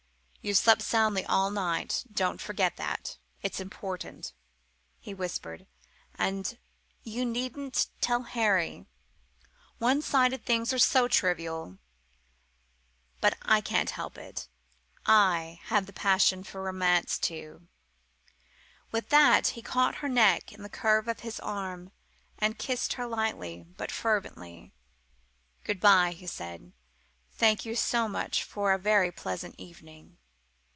"You've slept soundly all night don't forget that it's important," he whispered, "and you needn't tell Harry one sided things are so trivial, but I can't help it. I have the passion for romance too!" With that he caught her neck in the curve of his arm, and kissed her lightly but fervently. "Good bye!" he said; "thank you so much for a very pleasant evening!"